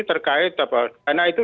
terkait dana itu